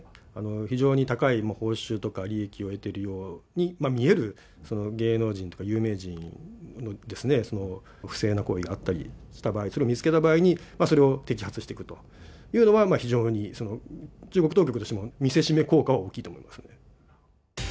非常に高い報酬とか利益を得ているように見える芸能人とか有名人ですね、不正な行為があったりしたばかり、それを見つけた場合に、それを摘発していくというのは非常に、中国当局としても見せしめ効果は大きいと思うんですよ。